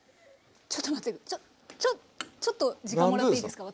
ちょっちょっちょっと時間もらっていいですか私。